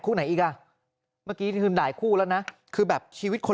ไหนอีกอ่ะเมื่อกี้คือด่ายคู่แล้วนะคือแบบชีวิตคน